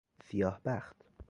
سیاه بخت